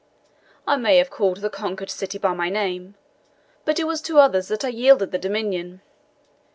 I may have called the conquered city by my name, but it was to others that I yielded the dominion.